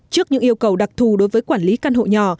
trước những yêu cầu đặc thù đối với quản lý căn hộ nhỏ